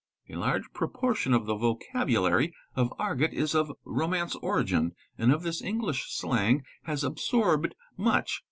A large proportion of the vocabulary of argot is of Romance origin and of this d Inglish slang has absorbed much.